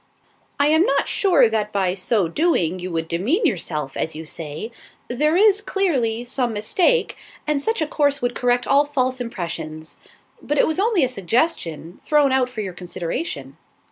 "I am not sure that by so doing you would demean yourself, as you say. There is, clearly, some mistake, and such a course would correct all false impressions. But it was only a suggestion, thrown out for your consideration."